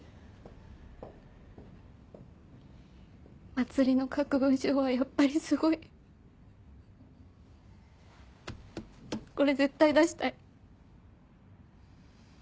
茉莉の書く文章はやっぱりすごい。これ絶対出したい。